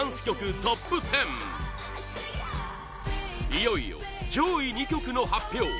いよいよ上位２曲の発表